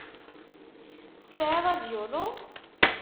Tesεiḍ avyulu?